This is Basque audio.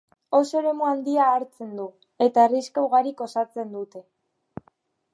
Oso eremu handia hartzen du, eta herrixka ugarik osatzen dute.